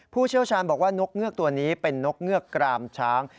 ผู้เชี่ยวชาญบอกว่านกเงือกตัวนี้เป็นนกเงือกกรามช้าง